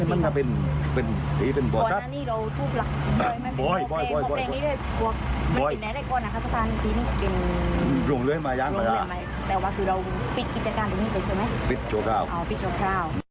หรือว่ารุนเรื่องวิทย์ขวาอาหาร